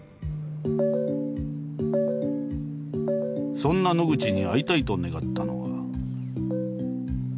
そんな野口に会いたいと願ったのは。